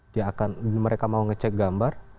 dia akan mereka mau ngecek gambar